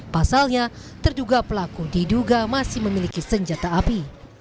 pasalnya terduga pelaku diduga masih memiliki senjata api